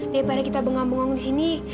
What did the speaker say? daripada kita bengong bengong disini